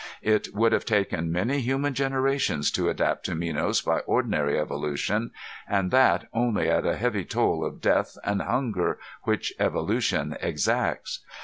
It would have taken many human generations to adapt to Minos by ordinary evolution, and that only at a heavy toll of death and hunger which evolution exacts.